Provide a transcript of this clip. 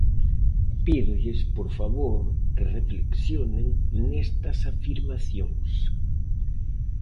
Pídolles, por favor, que reflexionen nestas afirmacións.